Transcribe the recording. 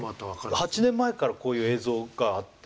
８年前からこういう映像があって。